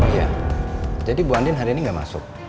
oh iya jadi bu andien hari ini gak masuk